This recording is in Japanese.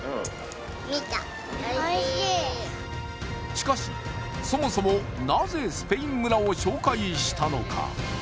しかし、そもそもなぜスペイン村を紹介したのか？